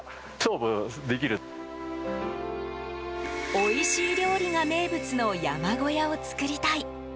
おいしい料理が名物の山小屋を作りたい！